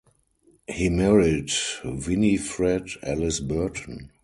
He married Winifred Alice Burton.